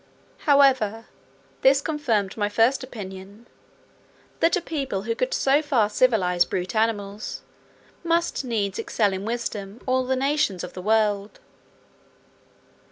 However, this confirmed my first opinion, that a people who could so far civilize brute animals, must needs excel in wisdom all the nations of the world.